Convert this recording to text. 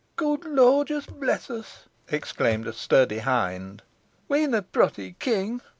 "Good lorjus bless us!" exclaimed a sturdy hind, "we'n a protty king.